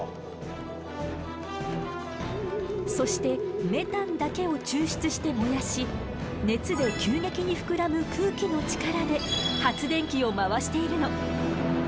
そしてメタンだけを抽出して燃やし熱で急激に膨らむ空気の力で発電機を回しているの。